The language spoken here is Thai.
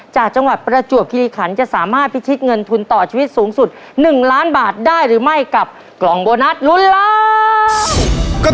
จากจังหวัดประจวบคิริขันจะสามารถพิชิตเงินทุนต่อชีวิตสูงสุด๑ล้านบาทได้หรือไม่กับกล่องโบนัสลุ้นล้าน